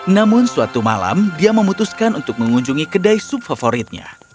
namun suatu malam dia memutuskan untuk mengunjungi kedai subfavoritenya